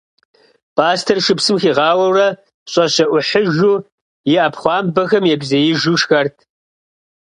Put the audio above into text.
Пӏастэр шыпсым хигъауэурэ, щӏэщэӏухьыжу, и ӏэпхъуамбэхэм ебзеижу шхэрт.